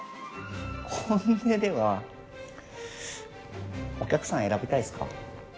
本音ではお客さん選びたいですか？